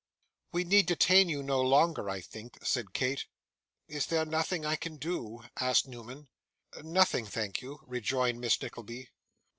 'We need detain you no longer, I think,' said Kate. 'Is there nothing I can do?' asked Newman. 'Nothing, thank you,' rejoined Miss Nickleby.